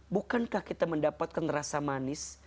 bukankah kita mendapatkan rasa manis